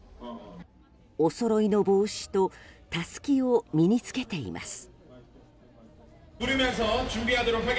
おそろいの帽子とタスキを身に着けています。